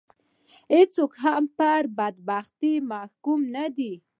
هېڅوک هم پر بدبختي محکوم نه دي